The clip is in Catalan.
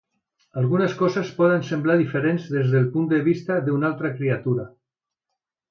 Algunes coses poden semblar diferents des del punt de vista d'una altra criatura.